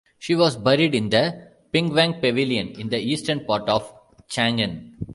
She was buried in the Pingwang Pavilion, in the eastern part of Chang'an.